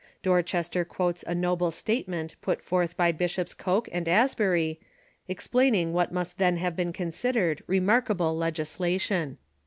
Dorchester quotes a noble statement put forth by Bishops Coke and Asbury, explaining what must then have been considered remarkable legislation.